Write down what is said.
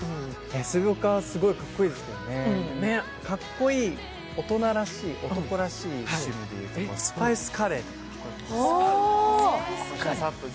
水墨画、すごいかっこいいですけどね、かっこいい、大人らしい男らしい趣味でいうとスパイスカレーにハマってます。